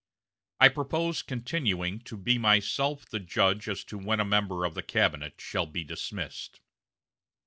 I propose continuing to be myself the judge as to when a member of the cabinet shall be dismissed."